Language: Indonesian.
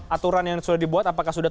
aturan yang sudah dibuat apakah sudah